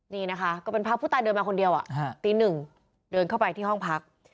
นี่นะคะก็เป็นภาพผู้ตายเดินมาคนเดียวตีหนึ่งเดินเข้าไปที่ห้องพัก